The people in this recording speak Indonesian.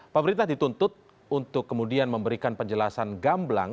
pemerintah dituntut untuk kemudian memberikan penjelasan gamblang